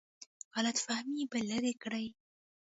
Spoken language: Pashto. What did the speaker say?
غلط فهمۍ به لرې کړي.